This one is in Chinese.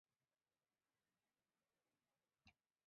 埃里克王朝的瑞典国王。